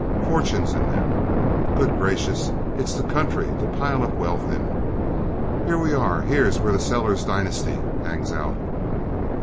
Fortunes in them! Good gracious, it's the country to pile up wealth in! Here we are here's where the Sellers dynasty hangs out.